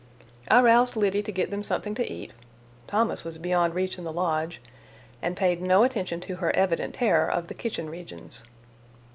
I roused Liddy to get them something to eat—Thomas was beyond reach in the lodge—and paid no attention to her evident terror of the kitchen regions.